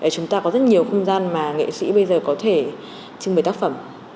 chúng ta có rất nhiều không gian mà nghệ sĩ bây giờ có thể trưng bày tác phẩm